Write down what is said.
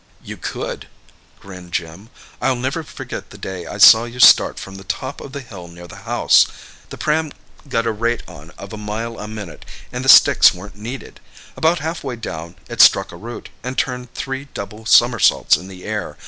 "You could," grinned Jim. "I'll never forget the day I saw you start from the top of the hill near the house. The pram got a rate on of a mile a minute, and the sticks weren't needed. About half way down it struck a root, and turned three double somersaults in the air.